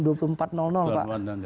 dua puluh empat pak